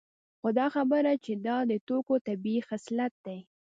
خو دا خبره چې دا د توکو طبیعي خصلت دی